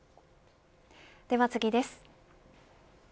では次です。